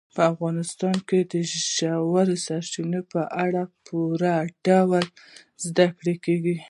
په افغانستان کې د ژورو سرچینو په اړه په پوره ډول زده کړه کېږي.